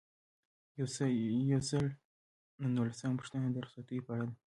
یو سل او نولسمه پوښتنه د رخصتیو په اړه ده.